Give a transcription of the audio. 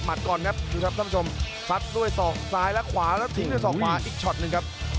ก่อนครับดูครับท่านผู้ชมซัดด้วยศอกซ้ายและขวาแล้วทิ้งด้วยศอกขวาอีกช็อตหนึ่งครับ